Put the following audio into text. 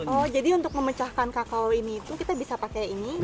oh jadi untuk memecahkan kakao ini itu kita bisa pakai ini